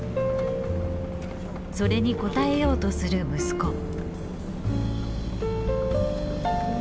それに応えようとする息子。